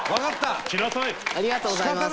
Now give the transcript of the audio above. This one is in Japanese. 隆貴君：ありがとうございます。